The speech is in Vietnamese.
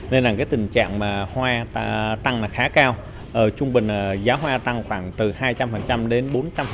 nên tình trạng hoa tăng khá cao trung bình giá hoa tăng khoảng từ hai trăm linh đến bốn trăm linh